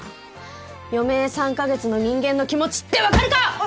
余命３カ月の人間の気持ちってわかるか！